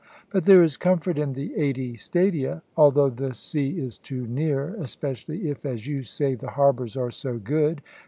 But there is comfort in the eighty stadia; although the sea is too near, especially if, as you say, the harbours are so good.